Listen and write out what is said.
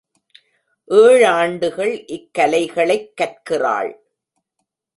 ஏழாண்டுகள் இக் கலைகளைக் கற்கிறாள்.